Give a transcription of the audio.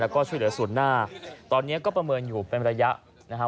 แล้วก็ช่วยเหลือศูนย์หน้าตอนนี้ก็ประเมินอยู่เป็นระยะนะฮะ